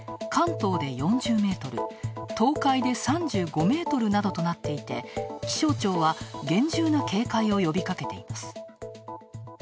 東海で３５メートルなどとなっていて気象庁は厳重な警戒を呼びかけています。